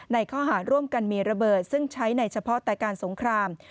ในข้อหาร่วมกันมีระเบิดซึ่งใช้ในเฉพาะแต่การสงคราม